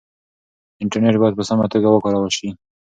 انټرنټ بايد په سمه توګه وکارول شي.